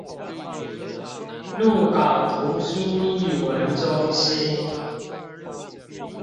鹿港圖書藝文中心